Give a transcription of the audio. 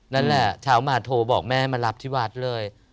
นั่นแหละเช้ามาโทรบอกแม่มารับที่วัดเลย